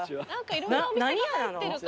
何屋なの？